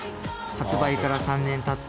発売から３年たった